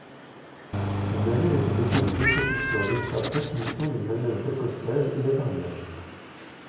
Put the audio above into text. Le navire est doté de deux propulseurs d'étrave facilitant les manœuvres d'accostage et d'appareillage.